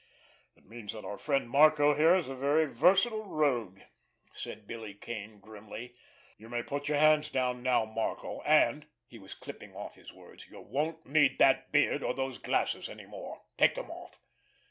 "It means that our friend Marco here is a very versatile rogue," said Billy Kane grimly. "You may put your hands down now, Marco, and"—he was clipping off his words—"you won't need that beard, or those glasses any more! Take them off!"